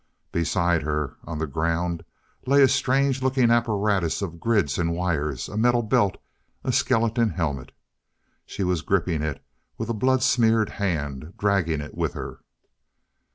Beside her on the ground lay a strange looking apparatus of grids and wires a metal belt a skeleton helmet.... She was gripping it with a blood smeared hand, dragging it with her.